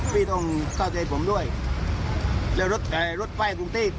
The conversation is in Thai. พี่ต้องเข้าเทพผมด้วยแล้วรถรถไปกรุงทรีย์